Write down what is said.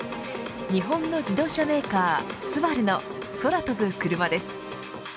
日本の自動車メーカー、スバルの空飛ぶクルマです。